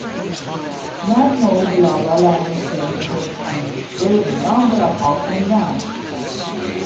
Mathmos' lava lamp sales have been through a number of ups and downs.